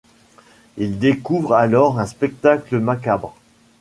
Ils découvrent alors un spectacle macabre.